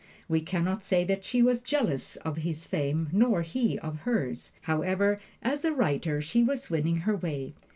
We can not say that she was jealous of his fame, nor he of hers. However, as a writer she was winning her way.